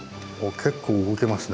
結構動きますね。